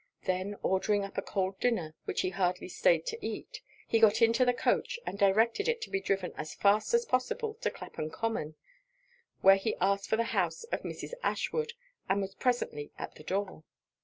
Then ordering up a cold dinner, which he hardly staid to eat, he got into the coach, and directed it to be driven as fast as possible to Clapham Common; where he asked for the house of Mrs. Ashwood, and was presently at the door.